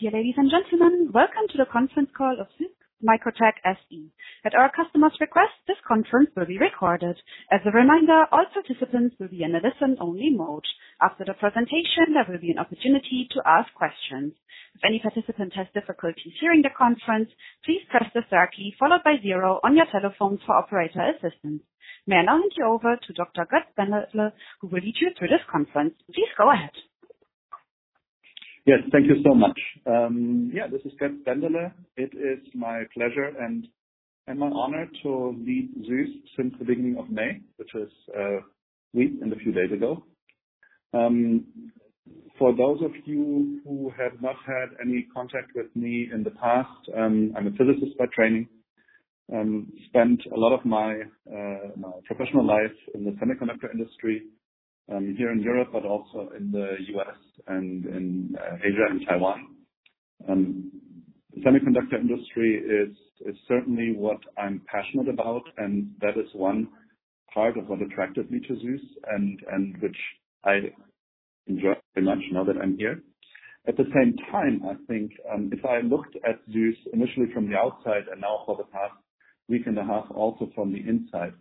Dear ladies and gentlemen, welcome to the conference call of SÜSS MicroTec SE. At our customer's request, this conference will be recorded. As a reminder, all participants will be in a listen-only mode. After the presentation, there will be an opportunity to ask questions. If any participant has difficulties hearing the conference, please press the star key followed by zero on your telephone for operator assistance. May I now hand you over to Dr. Götz Bendele, who will lead you through this conference. Please go ahead. Yes, thank you so much. Yeah, this is Götz Bendele. It is my pleasure and my honor to lead SÜSS since the beginning of May, which was a week and a few days ago. For those of you who have not had any contact with me in the past, I'm a physicist by training. Spent a lot of my professional life in the semiconductor industry, here in Europe, but also in the U.S. and in Asia and Taiwan. Semiconductor industry is certainly what I'm passionate about, and that is one part of what attracted me to SÜSS, and which I enjoy very much now that I'm here. At the same time, I think, if I looked at SÜSS initially from the outside and now for the past week and a half, also from the inside,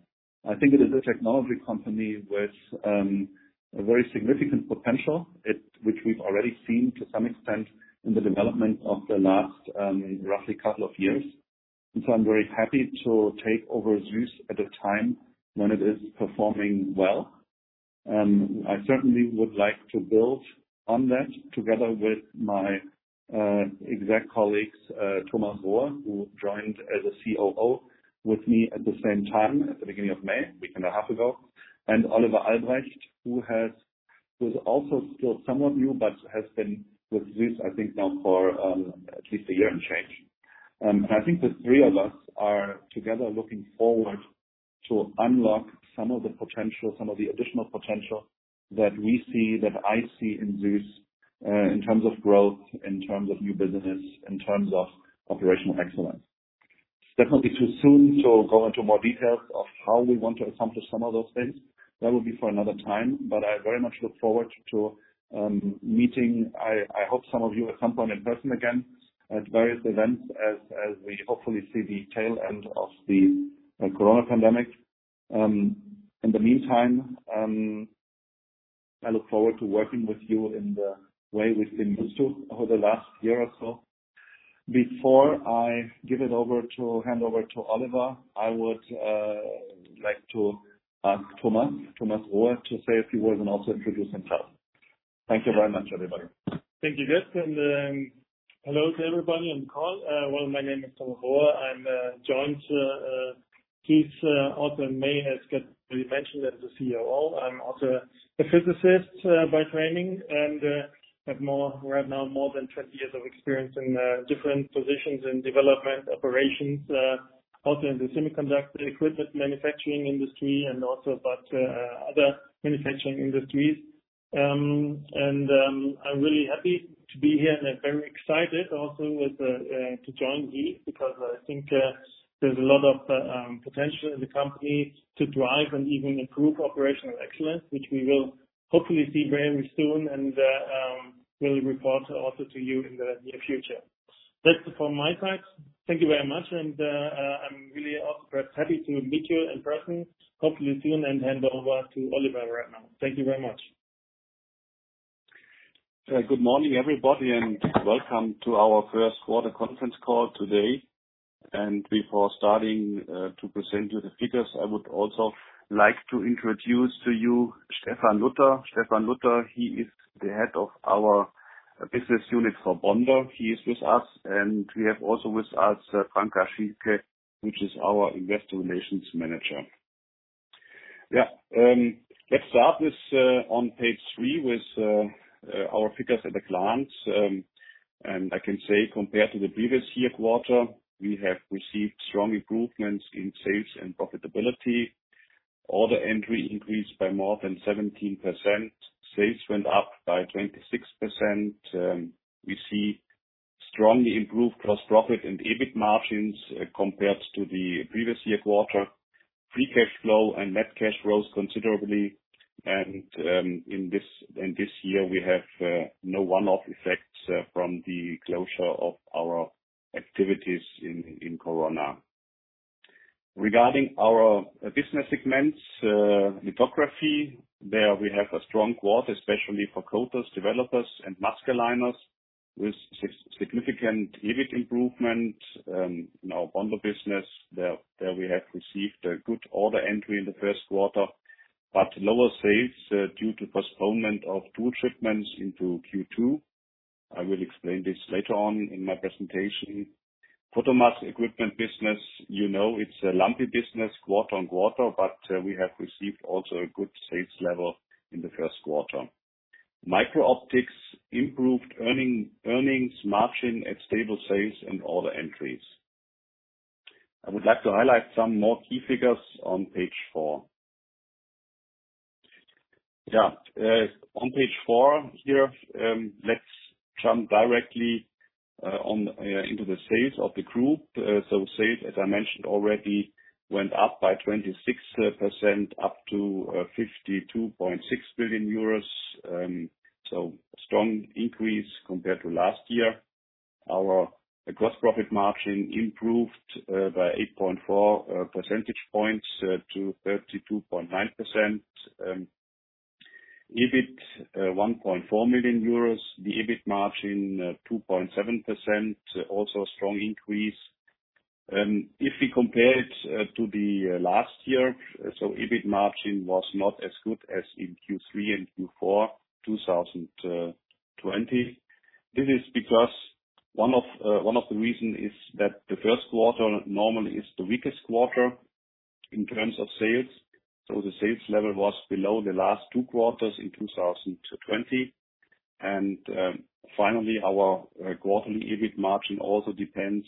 I think it is a technology company with a very significant potential, which we've already seen to some extent in the development of the last roughly couple of years. I'm very happy to take over SÜSS at a time when it is performing well. I certainly would like to build on that together with my exec colleagues, Thomas Rohe, who joined as a Chief Operating Officer with me at the same time at the beginning of May, a week and a half ago, and Oliver Albrecht, who is also still somewhat new, but has been with SÜSS, I think now for at least a year and change. I think the three of us are together looking forward to unlock some of the potential, some of the additional potential that we see, that I see in SÜSS, in terms of growth, in terms of new business, in terms of operational excellence. It's definitely too soon to go into more details of how we want to accomplish some of those things. That will be for another time, but I very much look forward to meeting, I hope some of you at some point in person again at various events as we hopefully see the tail end of the Corona pandemic. In the meantime, I look forward to working with you in the way we've been used to over the last year or so. Before I hand over to Oliver, I would like to ask Thomas Rohe to say a few words and also introduce himself. Thank you very much, everybody. Thank you, Götz, and hello to everybody on call. Well, my name is Thomas Rohe. I joined SÜSS also in May as Götz already mentioned as the Chief Operating Officer. I'm also a physicist by training and have right now more than 20 years of experience in different positions in development, operations, also in the semiconductor equipment manufacturing industry and also other manufacturing industries. I'm really happy to be here and very excited also to join SÜSS because I think there's a lot of potential in the company to drive and even improve operational excellence, which we will hopefully see very soon and will report also to you in the near future. That's from my side. Thank you very much and I'm really also perhaps happy to meet you in person hopefully soon, and hand over to Oliver right now. Thank you very much. Good morning, everybody, welcome to our first quarter conference call today. Before starting to present you the figures, I would also like to introduce to you Stefan Lutter. Stefan Lutter, he is the Head of our Business Unit for Bonder. He is with us, and we have also with us Franka Schielke, which is our Investor Relations Manager. Let's start this on page three with our figures at a glance. I can say compared to the previous year quarter, we have received strong improvements in sales and profitability. Order entry increased by more than 17%. Sales went up by 26%. We see strongly improved gross profit and EBIT margins compared to the previous year quarter. Free cash flow and net cash rose considerably. In this year, we have no one-off effects from the closure of our activities in Corona. Regarding our business segments, lithography, there we have a strong quarter, especially for coaters, developers, and mask aligners with significant EBIT improvement. In our bonder business, there we have received a good order entry in the first quarter, but lower sales due to postponement of tool shipments into Q2. I will explain this later on in my presentation. Photomask equipment business, you know it's a lumpy business quarter-on-quarter, but we have received also a good sales level in the first quarter. MicroOptics improved earnings margin at stable sales and order entries. I would like to highlight some more key figures on page four. On page four here, let's jump directly into the sales of the group. Sales, as I mentioned already Went up by 26%, up to 52.6 billion euros. A strong increase compared to last year. Our gross profit margin improved by 8.4 percentage points to 32.9%. EBIT, 1.4 million euros. The EBIT margin, 2.7%, also a strong increase. If we compare it to the last year, so EBIT margin was not as good as in Q3 and Q4 2020. This is because one of the reason is that the first quarter normally is the weakest quarter in terms of sales. The sales level was below the last two quarters in 2020. Finally, our quarterly EBIT margin also depends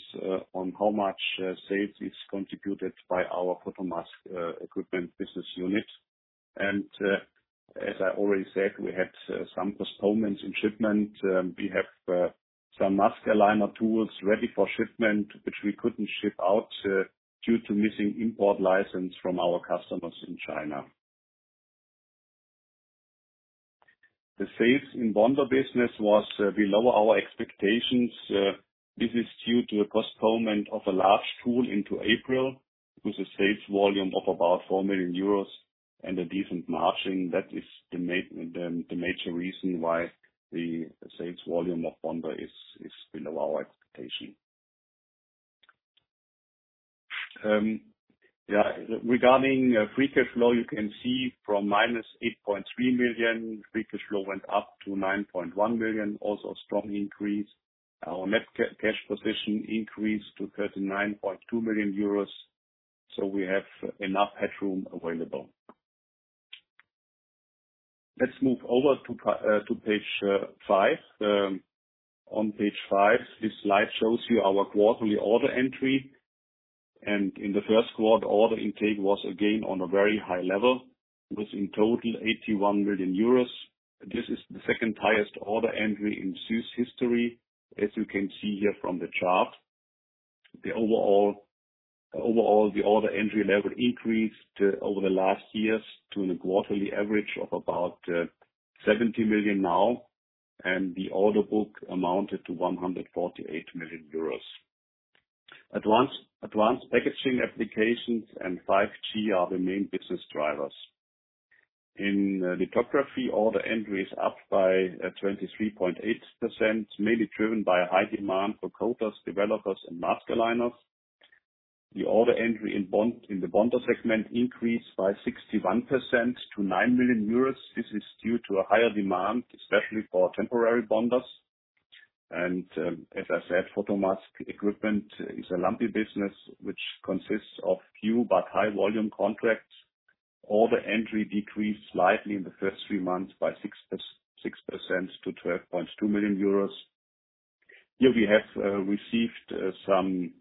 on how much sales is contributed by our photomask equipment business unit. As I already said, we had some postponements in shipment. We have some mask aligner tools ready for shipment, which we couldn't ship out due to missing import license from our customers in China. The sales in bonder business was below our expectations. This is due to a postponement of a large tool into April, with a sales volume of about 4 million euros and a decent margin. That is the major reason why the sales volume of bonder is below our expectation. Regarding free cash flow, you can see from -8.3 million, free cash flow went up to 9.1 million, also a strong increase. Our net cash position increased to 39.2 million euros. We have enough headroom available. Let's move over to page five. On page five, this slide shows you our quarterly order entry, and in the first quarter, order intake was again on a very high level, with in total 81 million euros. This is the second highest order entry in SÜSS history, as you can see here from the chart. Overall, the order entry level increased over the last years to a quarterly average of about 70 million now, the order book amounted to 148 million euros. Advanced packaging applications and 5G are the main business drivers. In lithography, order entry is up by 23.8%, mainly driven by a high demand for coaters, developers, and mask aligners. The order entry in the bonder segment increased by 61% to 9 million euros. This is due to a higher demand, especially for temporary bonders. As I said, photomask equipment is a lumpy business, which consists of few but high volume contracts. Order entry decreased slightly in the first three months by 6% to 12.2 million euros. Here we have received some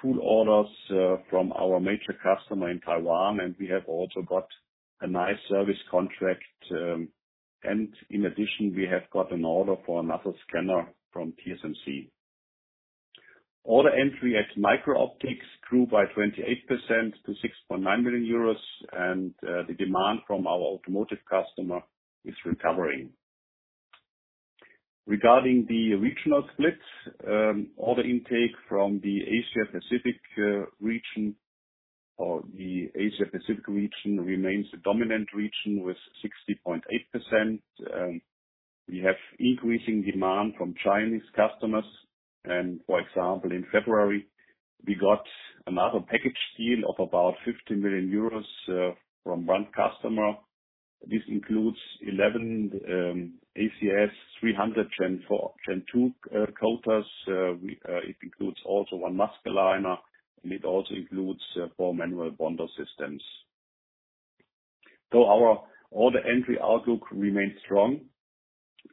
tool orders from our major customer in Taiwan, we have also got a nice service contract. In addition, we have got an order for another scanner from TSMC. Order entry at MicroOptics grew by 28% to 6.9 million euros, and the demand from our automotive customer is recovering. Regarding the regional splits, order intake from the Asia Pacific region remains the dominant region with 60.8%. We have increasing demand from Chinese customers. For example, in February, we got another package deal of about 50 million euros from one customer. This includes 11 ACS300 Gen2 coaters. It includes also one mask aligner, and it also includes four manual bonder systems. Our order entry outlook remains strong.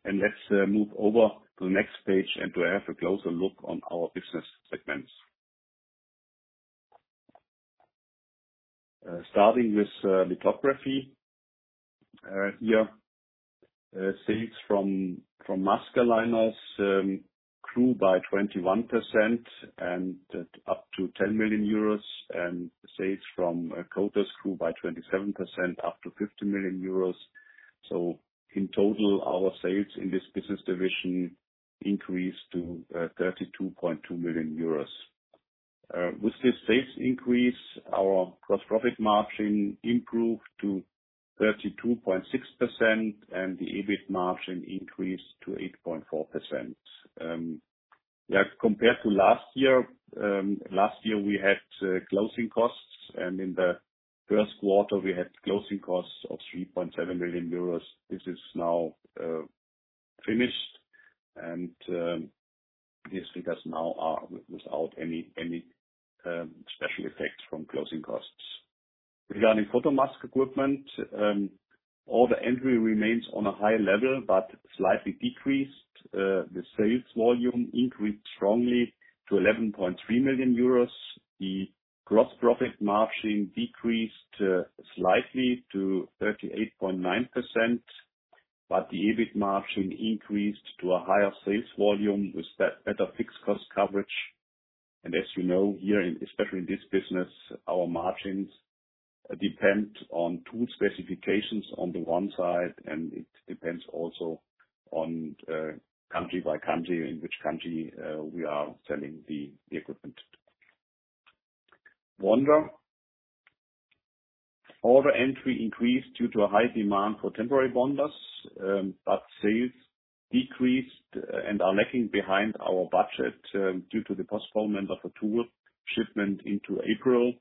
Let's move over to the next page and to have a closer look on our business segments. Starting with lithography. Here, sales from mask aligners grew by 21% and up to 10 million euros, and sales from coaters grew by 27%, up to 50 million euros. In total, our sales in this business division increased to 32.2 million euros. With this sales increase, our gross profit margin improved to 32.6%, and the EBIT margin increased to 8.4%. Compared to last year, last year we had closing costs, and in the first quarter, we had closing costs of 3.7 million euros. This is now finished, and these figures now are without any special effects from closing costs. Regarding photomask equipment, order entry remains on a high level, but slightly decreased. The sales volume increased strongly to 11.3 million euros. The gross profit margin decreased slightly to 38.9%. The EBIT margin increased to a higher sales volume with better fixed cost coverage. As you know, here, especially in this business, our margins depend on tool specifications on the one side, and it depends also on country by country, in which country we are selling the equipment. Bonder. Order entry increased due to a high demand for temporary bonders, but sales decreased and are lagging behind our budget due to the postponement of a tool shipment into April.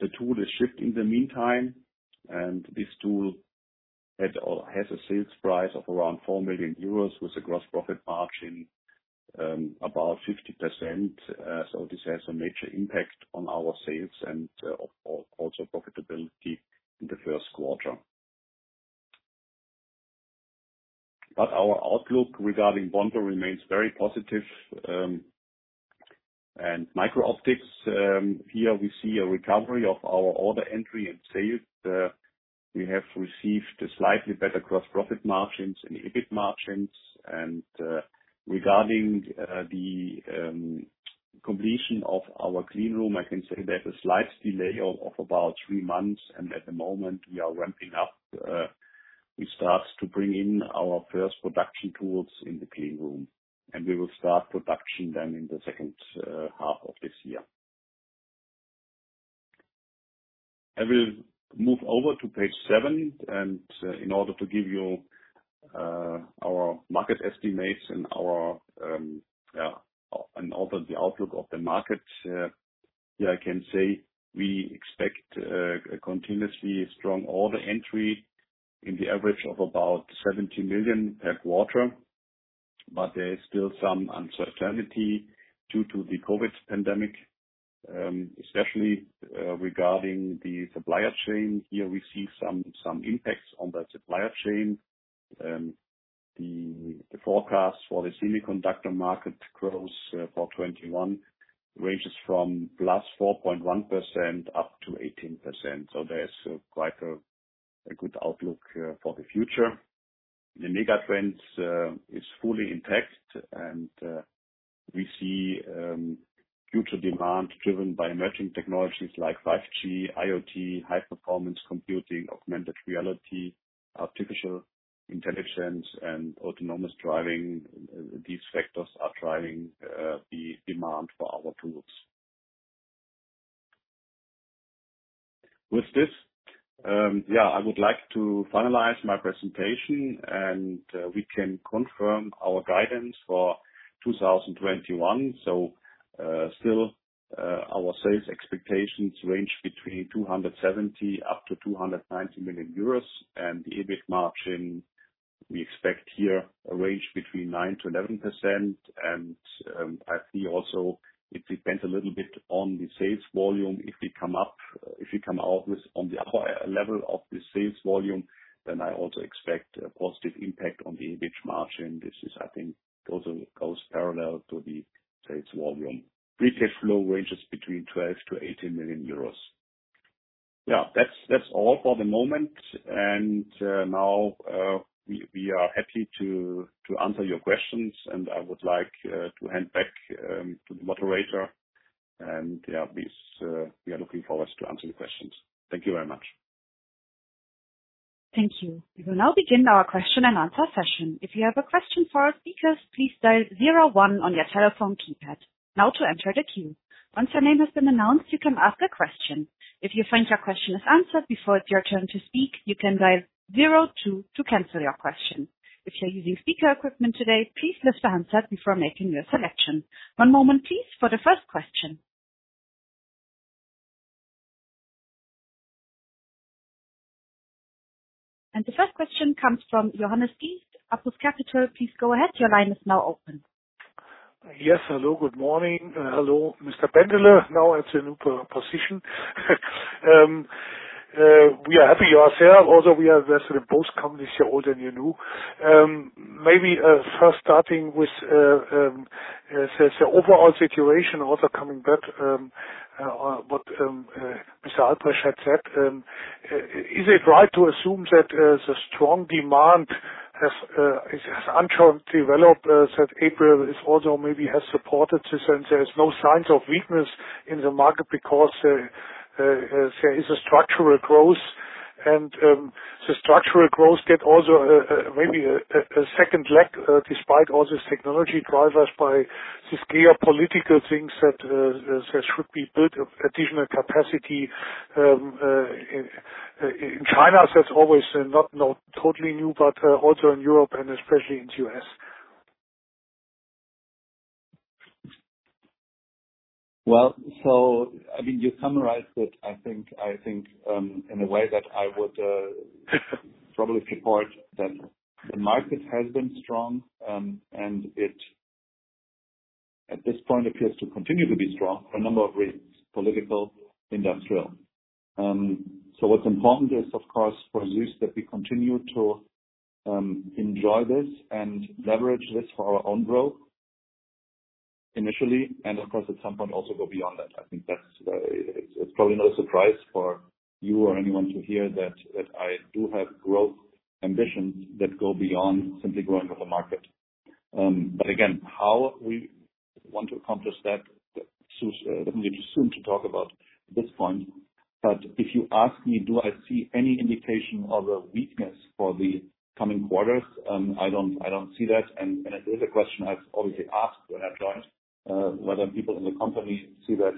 The tool is shipped in the meantime. This tool has a sales price of around 4 million euros with a gross profit margin about 50%. This has a major impact on our sales and also profitability in the first quarter. Our outlook regarding bonder remains very positive. MicroOptics, here we see a recovery of our order entry and sales. We have received a slightly better gross profit margins and EBIT margins. Regarding the completion of our clean room, I can say there's a slight delay of about three months, and at the moment we are ramping up. We start to bring in our first production tools in the clean room, and we will start production then in the second half of this year. I will move over to page seven and in order to give you our market estimates and also the outlook of the markets. Here I can say we expect a continuously strong order entry in the average of about 70 million per quarter, but there is still some uncertainty due to the COVID pandemic, especially regarding the supplier chain. Here we see some impacts on that supplier chain. The forecast for the semiconductor market growth for 2021 ranges from +4.1% up to 18%, so there is quite a good outlook for the future. The mega trends is fully intact, and we see future demand driven by emerging technologies like 5G, IoT, high performance computing, augmented reality, artificial intelligence, and autonomous driving. These factors are driving the demand for our tools. With this, I would like to finalize my presentation and we can confirm our guidance for 2021. Still our sales expectations range between 270 million-290 million euros and EBIT margin we expect here a range between 9%-11%. I see also it depends a little bit on the sales volume. If you come out on the upper level of the sales volume, then I also expect a positive impact on the EBIT margin. This, I think, goes parallel to the sales volume. Free cash flow ranges between 12 million-18 million euros. That's all for the moment. Now we are happy to answer your questions and I would like to hand back to the moderator. We are looking forward to answer the questions. Thank you very much. Thank you. We will now begin our question and answer session. If you have a question for our speakers, please dial zero one on your telephone keypad. Now to enter the queue. Once your name has been announced, you can ask a question. If you find your question is answered before it's your turn to speak, you can dial zero two to cancel your question. If you're using speaker equipment today, please lift the handset before making your selection. One moment please for the first question. The first question comes from Johannes Ries, APUS Capital. Please go ahead. Your line is now open. Yes, hello. Good morning. Hello, Mr. Bendele, now at your new position. We are happy yourself, although we are invested in both companies, your old and your new. First starting with the overall situation also coming back what Mr. Albrecht had said. Is it right to assume that the strong demand has unsure developed that April is also maybe has supported this and there is no signs of weakness in the market because there is a structural growth and the structural growth get also maybe a second leg despite all this technology drivers by this geopolitical things that should be built additional capacity, in China as always, not totally new, but also in Europe and especially in U.S. Well, so you summarized it, I think, in a way that I would probably support that the market has been strong, and it at this point appears to continue to be strong for a number of reasons, political, industrial. What's important is of course for SÜSS that we continue to enjoy this and leverage this for our own growth Initially, of course, at some point also go beyond that. I think that it's probably not a surprise for you or anyone to hear that I do have growth ambitions that go beyond simply growing with the market. Again, how we want to accomplish that, it's a little too soon to talk about at this point. If you ask me, do I see any indication of a weakness for the coming quarters? I don't see that, and it is a question I obviously asked when I joined, whether people in the company see that.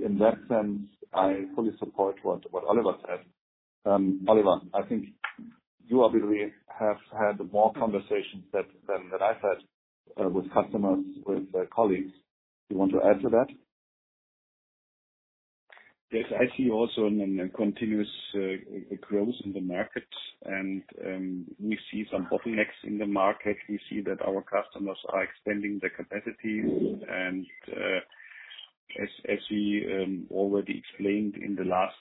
In that sense, I fully support what Oliver said. Oliver, I think you obviously have had more conversations than I've had with customers, with colleagues. You want to add to that? Yes, I see also a continuous growth in the market. We see some bottlenecks in the market. We see that our customers are expanding their capacity. As we already explained in the last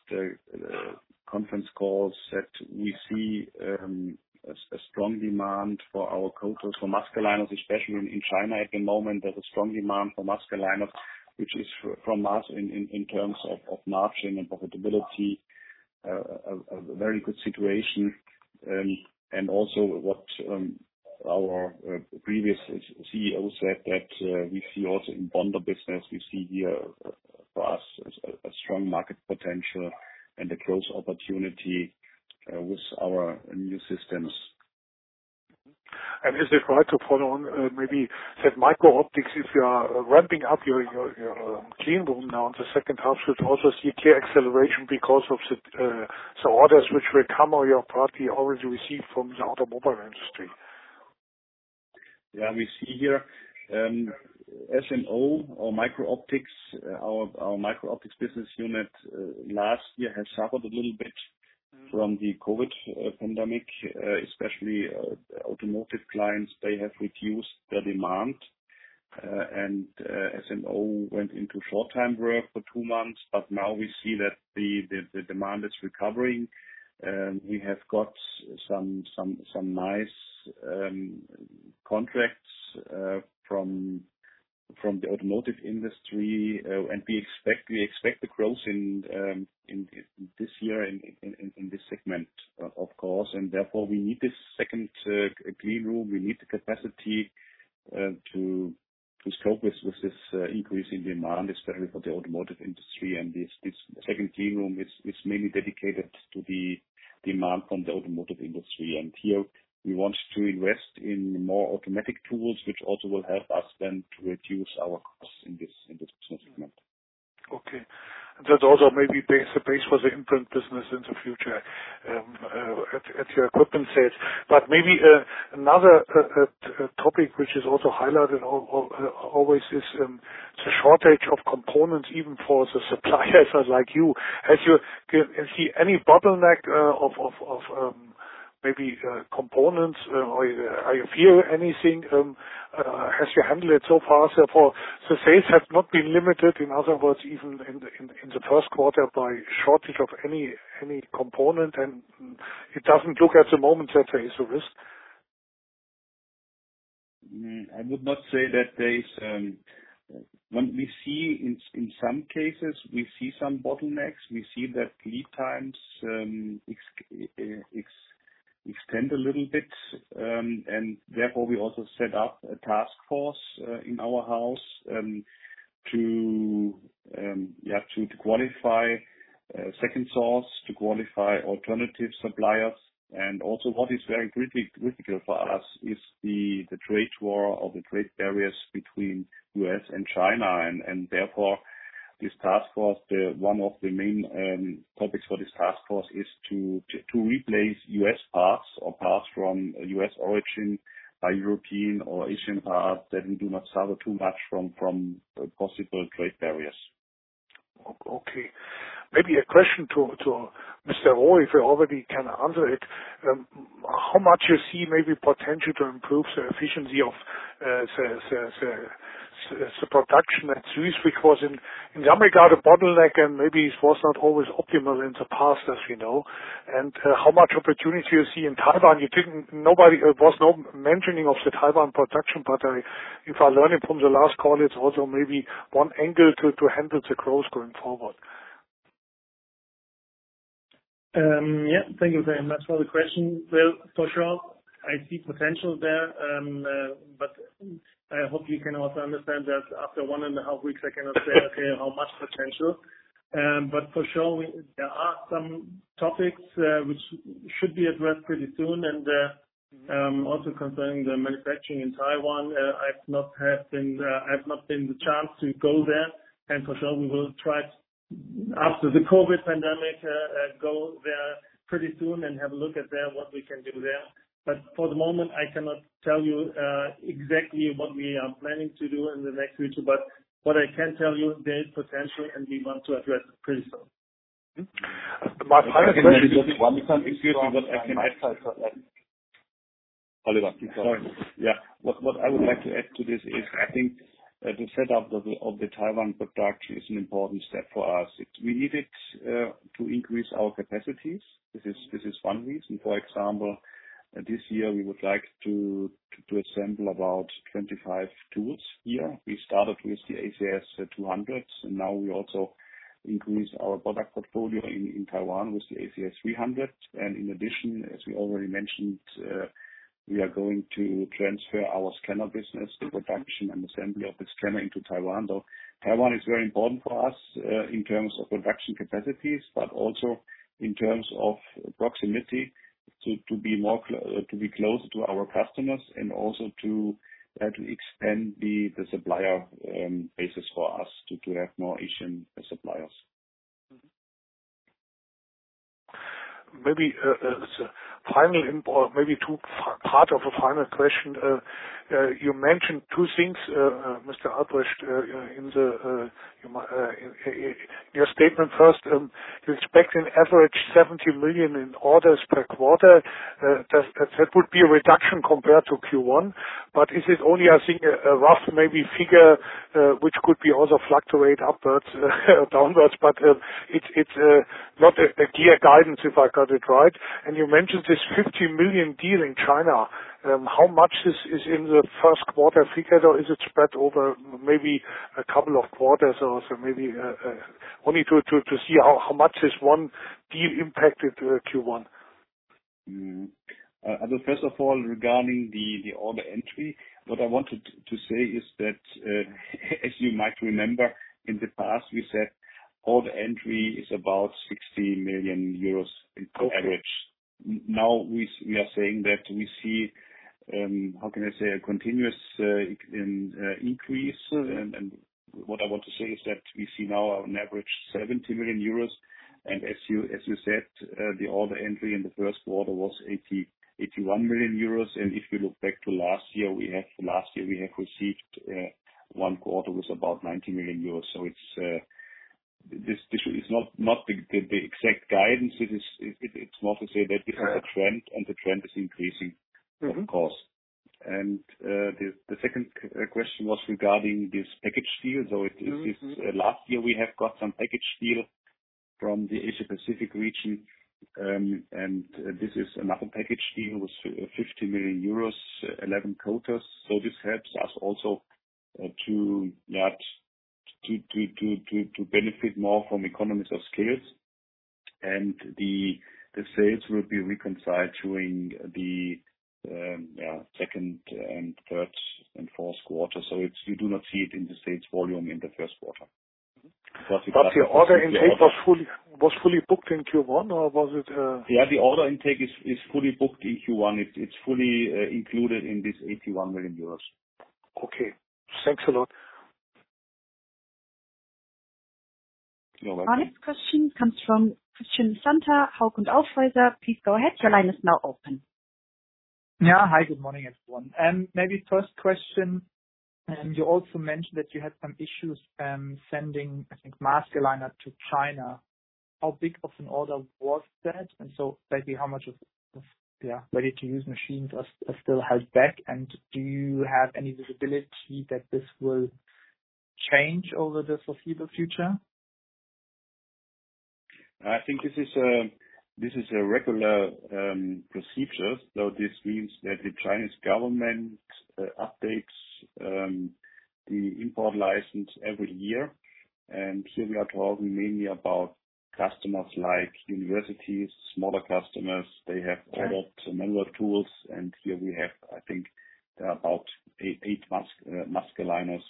conference calls, we see a strong demand for our coaters, for mask aligners, especially in China at the moment. There's a strong demand for mask aligners, which is from us in terms of margin and profitability, a very good situation. Also what our previous Chief Executive Officer said, we see also in bonder business, we see here for us a strong market potential and a growth opportunity with our new systems. Is it right to follow on, maybe that MicroOptics, if you are ramping up your clean room now in the second half, should also see clear acceleration because of the orders which will come or you have partly already received from the automobile industry? We see here, S&O or our MicroOptics business unit last year has suffered a little bit from the COVID pandemic, especially automotive clients. They have reduced their demand. S&O went into short-time work for two months. Now we see that the demand is recovering. We have got some nice contracts from the automotive industry. We expect the growth this year in this segment, of course, and therefore we need this second clean room. We need the capacity to cope with this increasing demand, especially for the automotive industry. This second clean room is mainly dedicated to the demand from the automotive industry. Here we want to invest in more automatic tools, which also will help us then to reduce our costs in this business segment. Okay. That also may be the base for the imprint business in the future at your equipment sales. Maybe another topic which is also highlighted always is the shortage of components, even for the suppliers like you. As you can see any bottleneck of maybe components, or are you fear anything as you handle it so far? Therefore, the sales have not been limited, in other words, even in the first quarter by shortage of any component, and it doesn't look at the moment that there is a risk. I would not say that there is. What we see in some cases, we see some bottlenecks. We see that lead times extend a little bit. Therefore we also set up a task force in our house to qualify a second source, to qualify alternative suppliers. Also what is very critical for us is the trade war or the trade barriers between U.S. and China, and therefore, this task force, one of the main topics for this task force is to replace U.S. parts or parts from U.S. origin by European or Asian parts that we do not suffer too much from possible trade barriers. Okay. Maybe a question to Mr. Rohe, if you already can answer it. How much you see maybe potential to improve the efficiency of the production at SÜSS? Because in some regard, a bottleneck and maybe it was not always optimal in the past, as you know. How much opportunity you see in Taiwan? There was no mentioning of the Taiwan production, but if I learned it from the last call, it's also maybe one angle to handle the growth going forward. Thank you very much for the question. Well, for sure, I see potential there. I hope you can also understand that after one and a half weeks, I cannot say, okay, how much potential. For sure, there are some topics which should be addressed pretty soon. Also concerning the manufacturing in Taiwan, I've not been the chance to go there. For sure we will try after the COVID pandemic, go there pretty soon and have a look at what we can do there. For the moment, I cannot tell you exactly what we are planning to do in the next future. What I can tell you, there is potential and we want to address it pretty soon. My final question is. Excuse me, I can add something. Oliver. Sorry. What I would like to add to this is I think the setup of the Taiwan production is an important step for us. We need it to increase our capacities. This is one reason. For example, this year we would like to assemble about 25 tools here. We started with the ACS200, now we also increase our product portfolio in Taiwan with the ACS300. In addition, as we already mentioned, we are going to transfer our scanner business to production and assembly of the scanner into Taiwan. Taiwan is very important for us, in terms of production capacities, but also in terms of proximity to be closer to our customers and also to extend the supplier basis for us to have more Asian suppliers. Maybe as a final import, maybe two-part of a final question. You mentioned two things, Mr. Albrecht, in your statement. First, you expect an average 70 million in orders per quarter. That would be a reduction compared to Q1. Is it only, I think, a rough maybe figure, which could be also fluctuate upwards, downwards. It's not a clear guidance if I got it right. You mentioned this 50 million deal in China. How much is in the first quarter figure, or is it spread over maybe a couple of quarters or so? Maybe, only to see how much this one deal impacted Q1. First of all, regarding the order entry, what I wanted to say is that, as you might remember, in the past, we said order entry is about 60 million euros in average. Now we are saying that we see, how can I say? A continuous increase. What I want to say is that we see now an average 70 million euros. As you said, the order entry in the first quarter was 81 million euros. If you look back to last year, we have received one quarter was about 90 million euros. It's not the exact guidance. It's more to say that this is a trend, and the trend is increasing of course. The second question was regarding this package deal. Last year, we have got some package deal from the Asia Pacific region, and this is another package deal with 50 million euros, 11 coaters. This helps us also to benefit more from economies of scale. The sales will be reconciled during the second and third and fourth quarter. You do not see it in the sales volume in the first quarter. The order intake was fully booked in Q1 or was it? Yeah, the order intake is fully booked in Q1. It's fully included in this 81 million euros. Okay. Thanks a lot. You're welcome. Our next question comes from Christian Sandherr, Hauck & Aufhäuser. Please go ahead. Your line is now open. Yeah. Hi, good morning, everyone. Maybe first question, you also mentioned that you had some issues, sending, I think, mask aligners to China. How big of an order was that? Basically, how much of, yeah, ready-to-use machines are still held back? Do you have any visibility that this will change over the foreseeable future? I think this is a regular procedure. This means that the Chinese government updates the import license every year. Here we are talking mainly about customers like universities, smaller customers. Okay. A lot, a number of tools, and here we have, I think about eight mask aligners,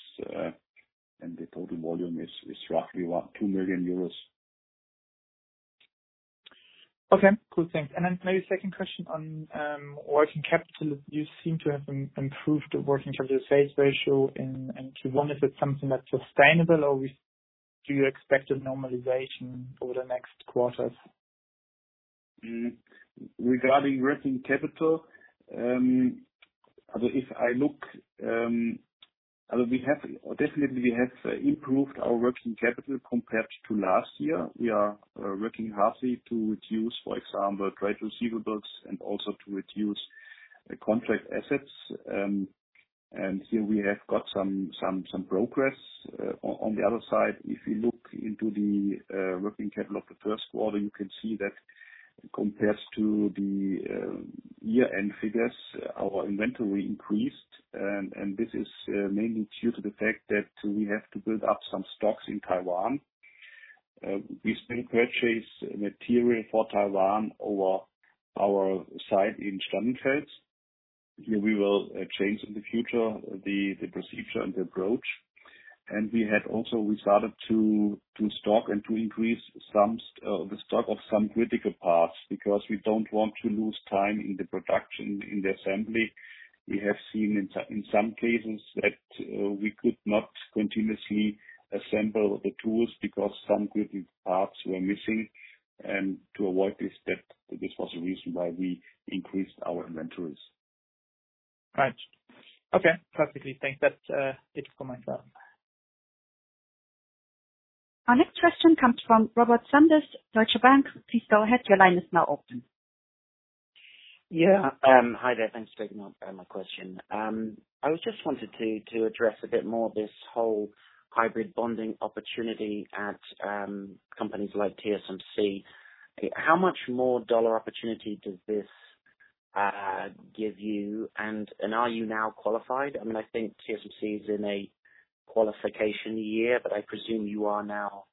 and the total volume is roughly about 2 million euros. Okay, cool. Thanks. Maybe second question on working capital. You seem to have improved the working capital sales ratio in Q1. Is it something that's sustainable, or do you expect a normalization over the next quarters? Regarding working capital, if I look, we definitely have improved our working capital compared to last year. We are working hard to reduce, for example, trade receivables and also to reduce contract assets. Here we have got some progress. On the other side, if you look into the working capital of the first quarter, you can see that compared to the year-end figures, our inventory increased. This is mainly due to the fact that we have to build up some stocks in Taiwan. We still purchase material for Taiwan over our site in Starnberg. Here we will change in the future the procedure and the approach. We had also started to stock and to increase the stock of some critical parts because we don't want to lose time in the production, in the assembly. We have seen in some cases that we could not continuously assemble the tools because some critical parts were missing. To avoid this step, this was the reason why we increased our inventories. Right. Okay, perfectly. Thanks. That's it for my side. Our next question comes from Robert Sanders, Deutsche Bank. Please go ahead. Hi there. Thanks for taking my question. I just wanted to address a bit more this whole hybrid bonding opportunity at companies like TSMC. How much more dollar opportunity does this give you, and are you now qualified? I think TSMC is in a qualification year, I presume you are now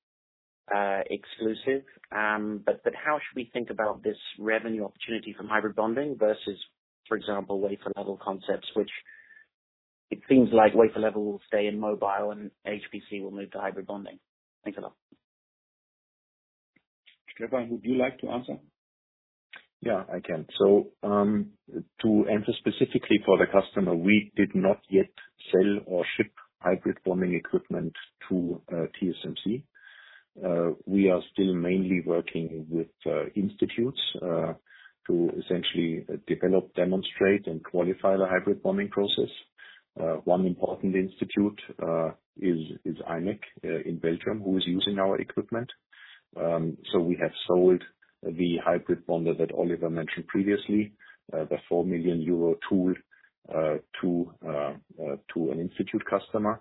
exclusive. How should we think about this revenue opportunity from hybrid bonding versus, for example, wafer level concepts, which it seems like wafer level will stay in mobile and HPC will move to hybrid bonding. Thanks a lot. Stefan, would you like to answer? Yeah, I can. To answer specifically for the customer, we did not yet sell or ship hybrid bonding equipment to TSMC. We are still mainly working with institutes to essentially develop, demonstrate, and qualify the hybrid bonding process. One important institute is imec in Belgium, who is using our equipment. We have sold the hybrid bonder that Oliver mentioned previously, the 4 million euro tool to an institute customer.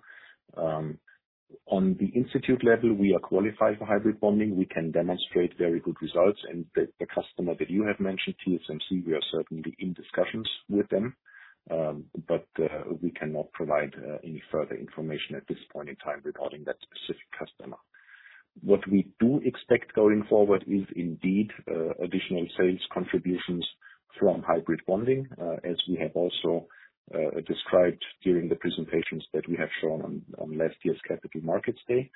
On the institute level, we are qualified for hybrid bonding. We can demonstrate very good results. The customer that you have mentioned, TSMC, we are certainly in discussions with them. We cannot provide any further information at this point in time regarding that specific customer. What we do expect going forward is indeed additional sales contributions from hybrid bonding, as we have also described during the presentations that we have shown on last year's Capital Markets Day.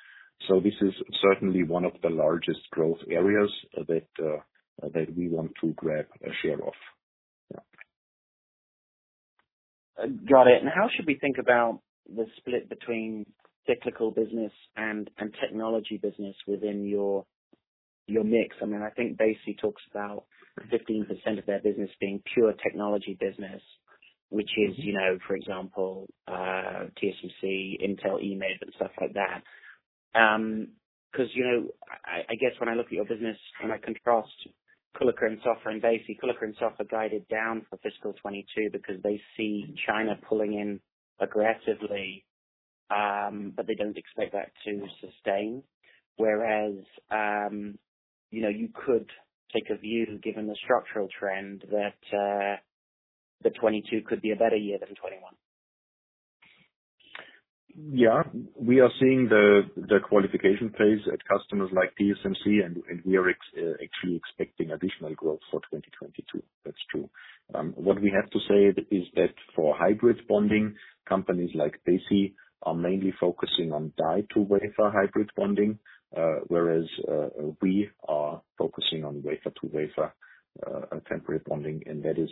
This is certainly one of the largest growth areas that we want to grab a share of. Yeah. Got it. How should we think about the split between cyclical business and technology business within your mix? I think Besi talks about 15% of their business being pure technology business. Which is, for example, TSMC, Intel, AMD, and stuff like that. I guess when I look at your business and I contrast Kulicke & Soffa and Besi, Kulicke & Soffa guided down for fiscal 2022 because they see China pulling in aggressively, but they don't expect that to sustain. You could take a view, given the structural trend, that the 2022 could be a better year than 2021. Yeah. We are seeing the qualification phase at customers like TSMC, and we are actually expecting additional growth for 2022. That's true. What we have to say is that for hybrid bonding, companies like Besi are mainly focusing on die-to-wafer hybrid bonding, whereas we are focusing on wafer-to-wafer temporary bonding, and that is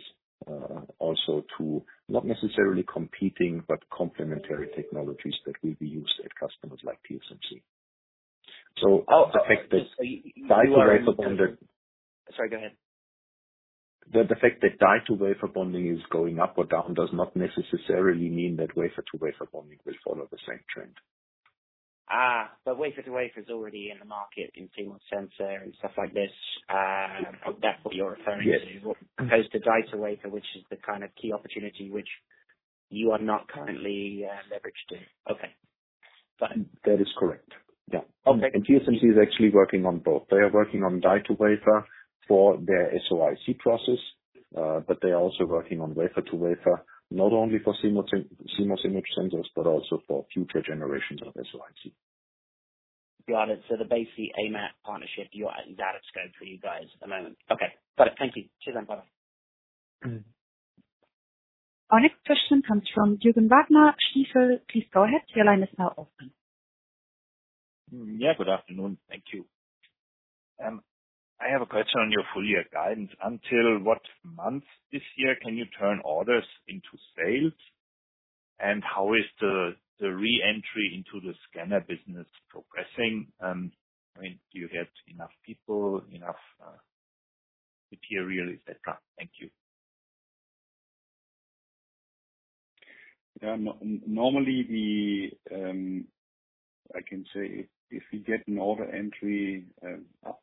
also two, not necessarily competing, but complementary technologies that will be used at customers like TSMC. The fact that die-to-wafer bonding- Sorry, go ahead. The fact that die-to-wafer bonding is going up or down does not necessarily mean that wafer-to-wafer bonding will follow the same trend. Wafer-to-wafer is already in the market in CMOS sensor and stuff like this. That's what you're referring to? Yes. Opposed to die-to-wafer, which is the kind of key opportunity which you are not currently leveraged in. Okay. Got it. That is correct. Yeah. Okay. TSMC is actually working on both. They are working on die-to-wafer for their SOIC process, but they are also working on wafer-to-wafer, not only for CMOS image sensors, but also for future generations of SOIC. Got it. The Besi AMAT partnership is out of scope for you guys at the moment. Okay. Got it. Thank you. Cheers. Bye. Our next question comes from Jürgen Wagner, Stifel. Please go ahead. Your line is now open. Yeah, good afternoon. Thank you. I have a question on your full year guidance. Until what month this year can you turn orders into sales? How is the reentry into the scanner business progressing? Do you have enough people, enough material, et cetera? Thank you. Normally, I can say if we get an order entry up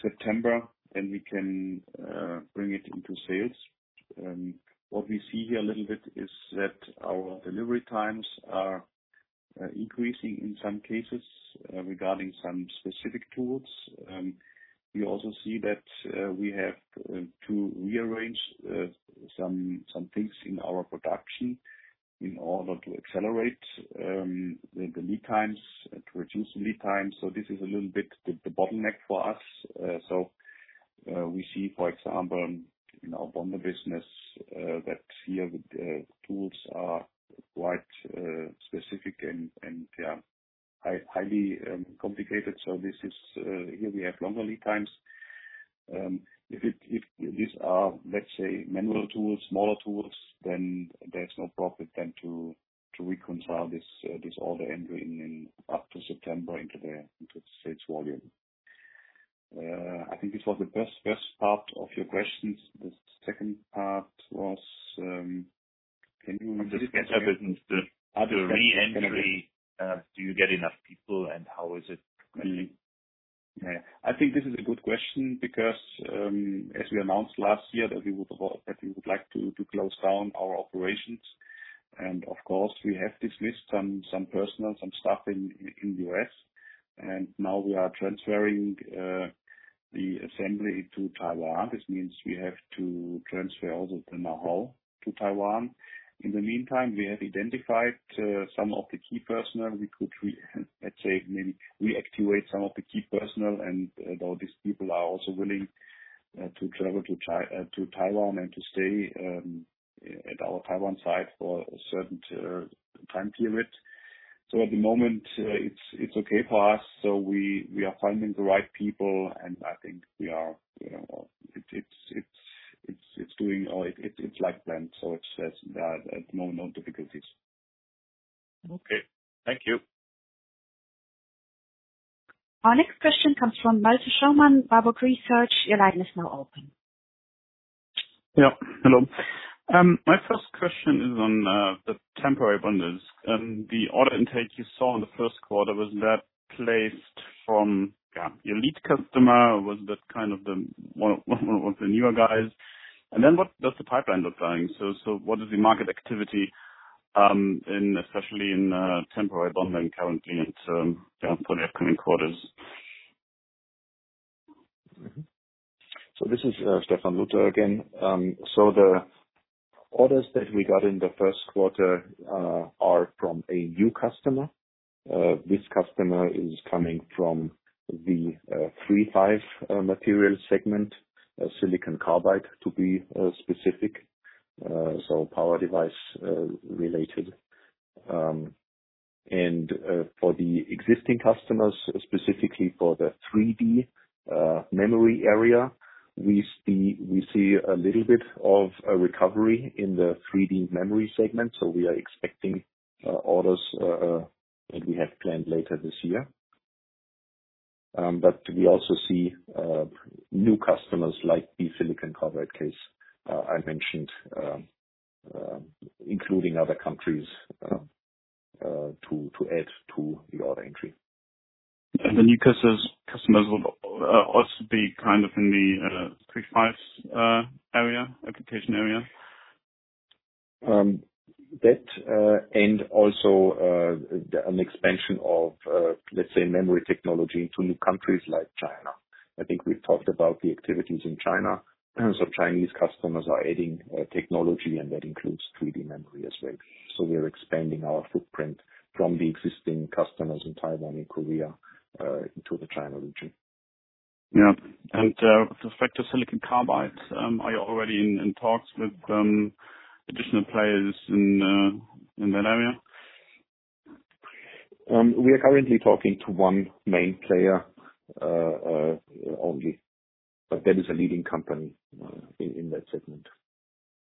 to September, then we can bring it into sales. What we see here a little bit is that our delivery times are increasing in some cases regarding some specific tools. We also see that we have to rearrange some things in our production in order to accelerate the lead times, to reduce lead times. This is a little bit the bottleneck for us. We see, for example, in our bonder business that here the tools are quite specific and yeah, highly complicated. Here we have longer lead times. If these are, let's say, manual tools, smaller tools, then there's no problem then to reconcile this order entry up to September into the sales volume. I think this was the first part of your questions. The second part was, can you repeat it again? Of the scanner business, the reentry. Do you get enough people, and how is it going? Yeah. I think this is a good question because, as we announced last year, that we would like to close down our operations. Of course, we have dismissed some personnel, some staff in the U.S., and now we are transferring the assembly to Taiwan. This means we have to transfer all of the know-how to Taiwan. In the meantime, we have identified some of the key personnel we could reactivate, and all these people are also willing to travel to Taiwan and to stay at our Taiwan site for a certain time period. At the moment, it's okay for us. We are finding the right people. I think it's like planned. At the moment, no difficulties. Okay. Thank you. Our next question comes from Malte Schaumann, Warburg Research. Your line is now open. Yeah, hello. My first question is on the temporary bonders and the order intake you saw in the first quarter. Was that placed from your lead customer? Was that one of the newer guys? What does the pipeline look like? What is the market activity, especially in temporary bonding currently and for the upcoming quarters? This is Stefan Lutter again. The orders that we got in the first quarter are from a new customer. This customer is coming from the III-V material segment, silicon carbide to be specific. Power device related. For the existing customers, specifically for the 3D memory area, we see a little bit of a recovery in the 3D memory segment. We are expecting orders that we have planned later this year. We also see new customers like the silicon carbide case I mentioned, including other countries, to add to the order entry. The new customers will also be in the III-V area, application area? That, and also an expansion of, let's say, memory technology to new countries like China. I think we've talked about the activities in China. Chinese customers are adding technology, and that includes 3D memory as well. We are expanding our footprint from the existing customers in Taiwan and Korea into the China region. Yeah. With respect to silicon carbide, are you already in talks with additional players in that area? We are currently talking to one main player only, but that is a leading company in that segment.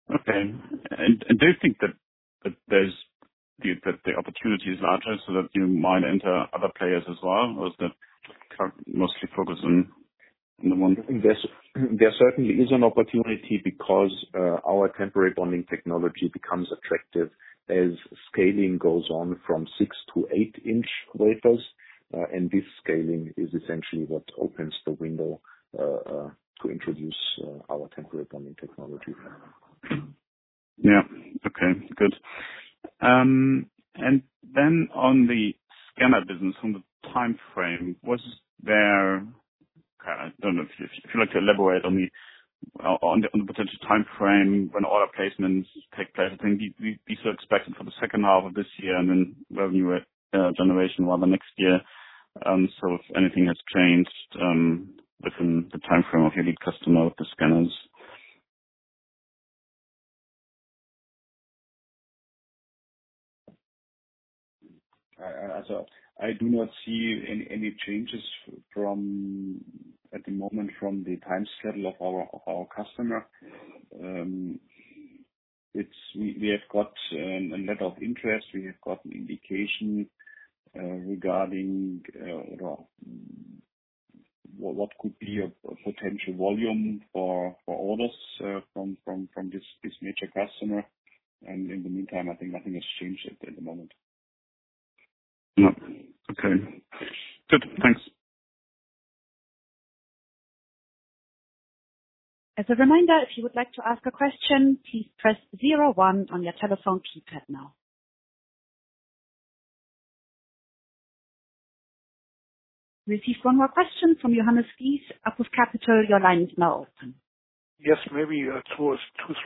Okay. Do you think that the opportunity is larger so that you might enter other players as well? Or is that mostly focused on the one- There certainly is an opportunity because our temporary bonding technology becomes attractive as scaling goes on from 6 in-8 in wafers. This scaling is essentially what opens the window to introduce our temporary bonding technology. Yeah. Okay, good. On the scanner business, on the timeframe, I don't know if you'd like to elaborate on the potential timeframe when order placements take place. I think these were expected for the second half of this year and then revenue generation rather next year. If anything has changed within the timeframe of your lead customer with the scanners. I do not see any changes at the moment from the time schedule of our customer. We have got a lot of interest. We have got an indication regarding what could be a potential volume for orders from this major customer. In the meantime, I think nothing has changed at the moment. No. Okay. Good. Thanks. As a reminder, if you would like to ask a question, please press zero one on your telephone keypad now. We receive one more question from Johannes Ries, APUS Capital. Your line is now open. Yes, maybe two or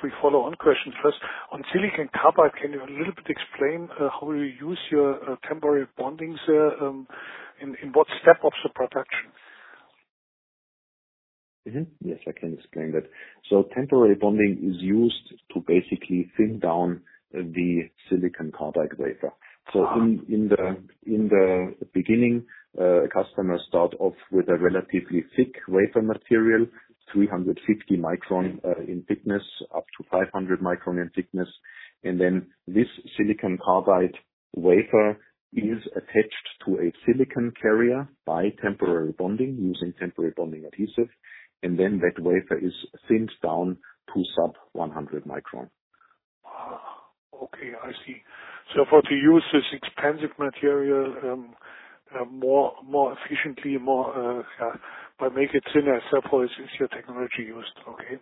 three follow-on questions. First, on silicon carbide, can you a little bit explain how you use your temporary bondings? In what step of the production? Mm-hmm. Yes, I can explain that. Temporary bonding is used to basically thin down the silicon carbide wafer. In the beginning, customers start off with a relatively thick wafer material, 350 µm in thickness, up to 500 µm in thickness. This silicon carbide wafer is attached to a silicon carrier by temporary bonding using temporary bonding adhesive, and then that wafer is thinned down to sub 100 µm. Okay. I see. For to use this expensive material more efficiently, but make it thinner, therefore it's your technology used. Okay.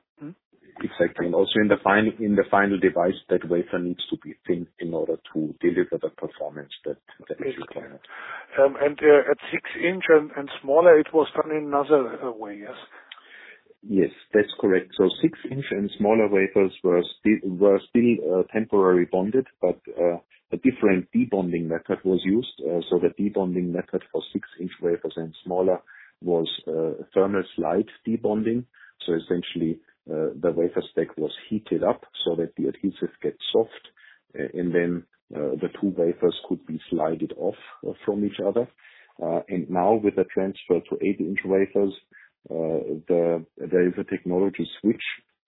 Exactly. Also in the final device, that wafer needs to be thin in order to deliver the performance that the issue required. At 6-in and smaller, it was done in another way. Yes? Yes, that's correct. 6-in and smaller wafers were still temporarily bonded, but a different debonding method was used. The debonding method for 6-in wafers and smaller was thermal slide debonding. Essentially, the wafer stack was heated up so that the adhesive gets soft, and then the two wafers could be slided off from each other. Now with the transfer to 8-in wafers, there is a technology switch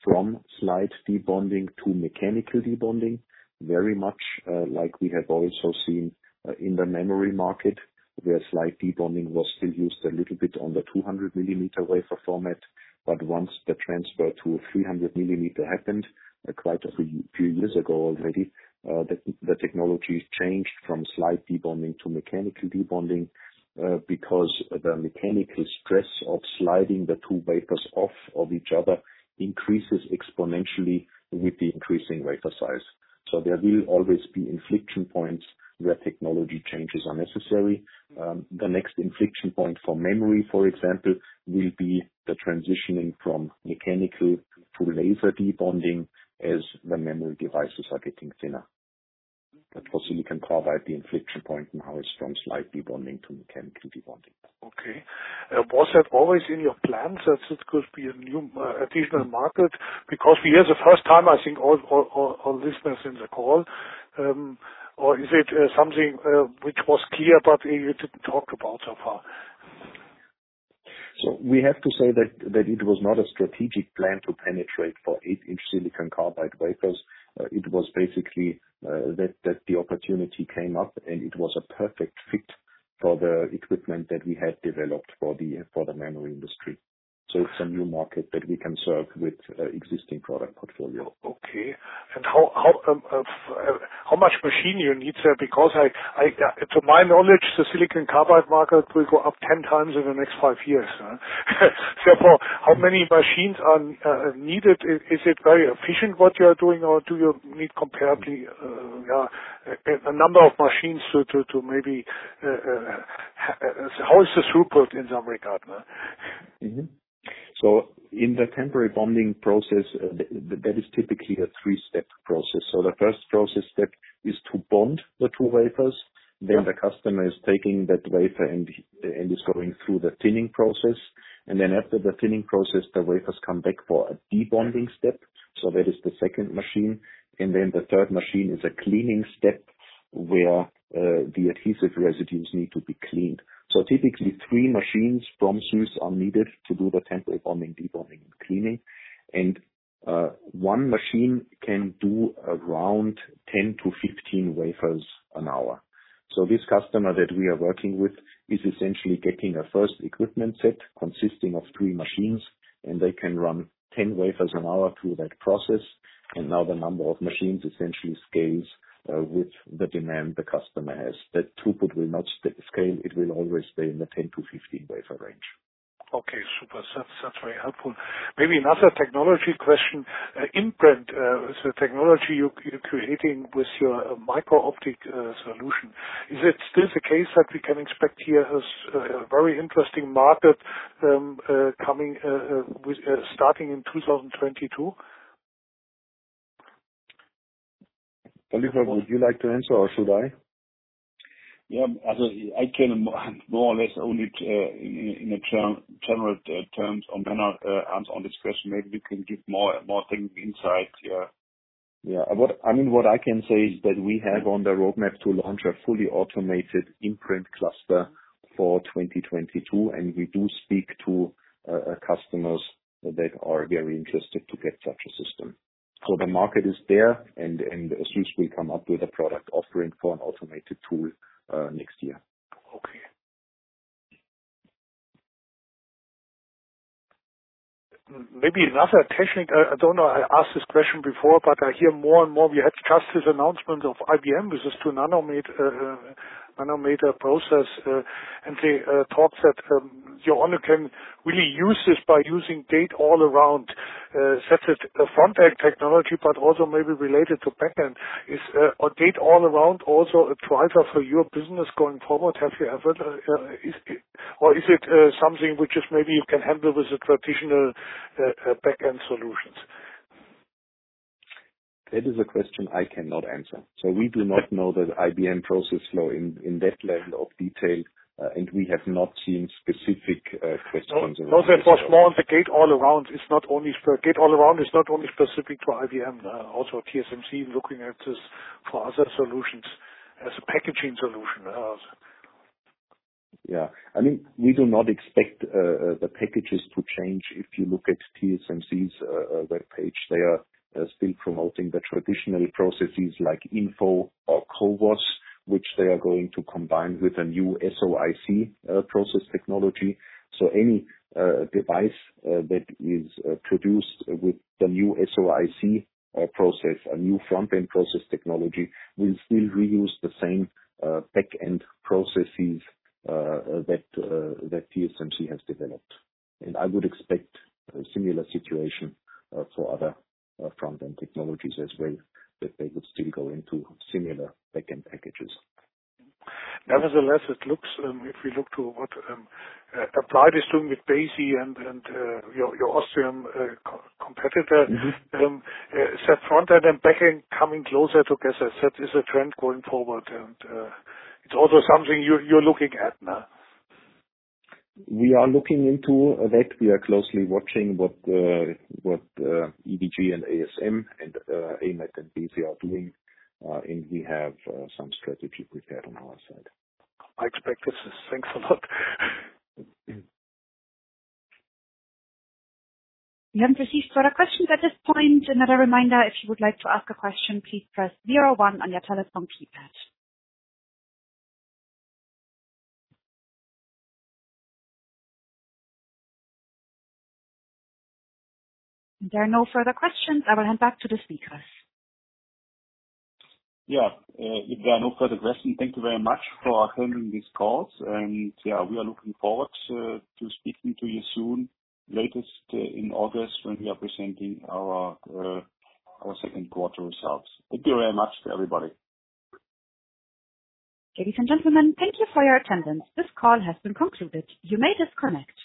from slide debonding to mechanical debonding, very much like we have also seen in the memory market, where slide debonding was still used a little bit on the 200-mm wafer format. Once the transfer to a 300-mm happened, quite a few years ago already, the technology changed from slide debonding to mechanical debonding, because the mechanical stress of sliding the two wafers off of each other increases exponentially with the increasing wafer size. There will always be inflection points where technology changes are necessary. The next inflection point for memory, for example, will be the transitioning from mechanical to laser debonding as the memory devices are getting thinner. For silicon carbide the inflection point now is from slide debonding to mechanical debonding. Okay. Was that always in your plans, that it could be a new additional market? We hear the first time, I think all listeners in the call. Is it something which was clear but you didn't talk about so far? We have to say that it was not a strategic plan to penetrate for 8-in silicon carbide wafers. It was basically that the opportunity came up, and it was a perfect fit for the equipment that we had developed for the memory industry. It's a new market that we can serve with existing product portfolio. Okay. How much machine you need there? To my knowledge, the silicon carbide market will go up 10 times in the next five years. Therefore, how many machines are needed? Is it very efficient what you are doing, or do you need comparatively a number of machines? How is the throughput in that regard? In the temporary bonding process, that is typically a three-step process. The first process step is to bond the two wafers. The customer is taking that wafer and is going through the thinning process. After the thinning process, the wafers come back for a debonding step. That is the second machine. The third machine is a cleaning step, where the adhesive residues need to be cleaned. Typically three machines from SÜSS are needed to do the temporary bonding, debonding, and cleaning. One machine can do around 10-15 wafers an hour. This customer that we are working with is essentially getting a first equipment set consisting of three machines, and they can run 10 wafers an hour through that process. Now the number of machines essentially scales with the demand the customer has. That throughput will not scale. It will always stay in the 10-15 wafer range. Okay, super. That's very helpful. Another technology question. imprint, the technology you're creating with your MicroOptics solution. Is it still the case that we can expect here a very interesting market starting in 2022? Oliver, would you like to answer or should I? I can more or less only in general terms answer on this question. Maybe you can give more technical insight. Yeah. What I can say is that we have on the roadmap to launch a fully automated imprint cluster for 2022, and we do speak to customers that are very interested to get such a system. The market is there and SÜSS will come up with a product offering for an automated tool next year. Okay. Maybe another. I don't know, I asked this question before, but I hear more and more. We had just this announcement of IBM with this 2-nm process. They talked that you only can really use this by using gate-all-around such as a front-end technology, but also maybe related to back-end. Is a gate-all-around also a driver for your business going forward? Or is it something which is maybe you can handle with the traditional back-end solutions? That is a question I cannot answer. We do not know the IBM process flow in that level of detail, and we have not seen specific questions. No, that was more on the gate-all-around is not only specific to IBM. Also TSMC looking at this for other solutions as a packaging solution. Yeah. We do not expect the packages to change. If you look at TSMC's webpage, they are still promoting the traditional processes like InFO or CoWoS, which they are going to combine with a new SOIC process technology. Any device that is produced with the new SOIC process, a new front-end process technology, will still reuse the same back-end processes that TSMC has developed. I would expect a similar situation for other front-end technologies as well, that they would still go into similar back-end packages. Nevertheless, if we look to what Applied is doing with Besi and your Austrian competitor. Set front-end and back-end coming closer to, as I said, is a trend going forward, and it's also something you're looking at now. We are looking into that. We are closely watching what EVG and ASM and AMAT and Besi are doing. We have some strategy prepared on our side. I expect this. Thanks a lot. We haven't received further questions at this point. Another reminder, if you would like to ask a question, please press zero one on your telephone keypad. If there are no further questions, I will hand back to the speakers. If there are no further questions, thank you very much for attending this call. We are looking forward to speaking to you soon, latest in August when we are presenting our second quarter results. Thank you very much, everybody. Ladies and gentlemen, thank you for your attendance. This call has been concluded. You may disconnect.